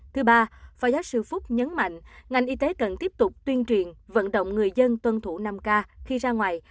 thứ ba phó giáo sư phúc nhấn mạnh ngành y tế cần tiếp tục tuyên truyền vận động người dân tuân thủ năm k khi ra ngoài